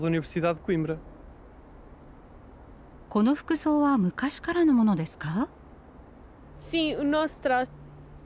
この服装は昔からのものですか？